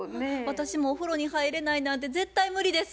私もお風呂に入れないなんて絶対無理です。